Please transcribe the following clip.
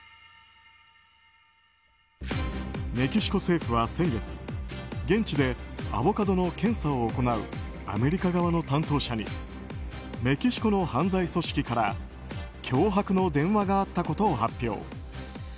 メキシコ政府は先月現地でアボカドの検査を行うアメリカ側の担当者にメキシコの犯罪組織から脅迫の電話があったことを発表。